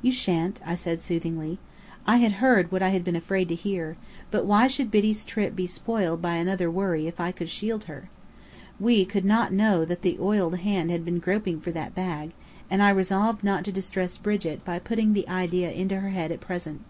"You shan't," I said soothingly. I had heard what I had been afraid to hear; but why should Biddy's trip be spoiled by another worry if I could shield her? We could not know that the oiled hand had been groping for that bag; and I resolved not to distress Brigit by putting the idea into her head at present.